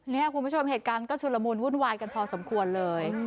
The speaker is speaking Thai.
นี่คุณผู้ชมเหตุการณ์ก็ชุดละมุนวุ่นวายกันพอสมควรเลย